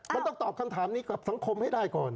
มันต้องตอบคำถามนี้กับสังคมให้ได้ก่อน